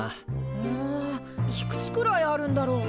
うんいくつくらいあるんだろう？